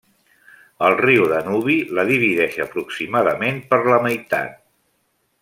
El riu Danubi la divideix aproximadament per la meitat.